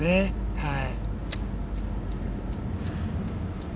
はい。